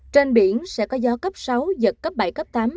trên biển sẽ có gió cấp sáu giật cấp bảy cấp tám